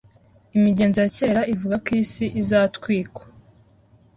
Imigenzo ya kera ivuga ko isi izatwikwa